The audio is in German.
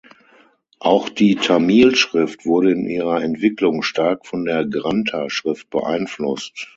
Auch die Tamil-Schrift wurde in ihrer Entwicklung stark von der Grantha-Schrift beeinflusst.